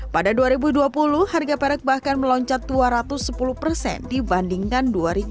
pada dua ribu dua puluh harga perak bahkan meloncat dua ratus sepuluh persen dibandingkan dua ribu dua puluh